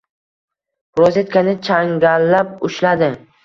Rozetkani changallab ushladi.